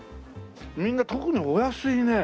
みんな特にお安いね。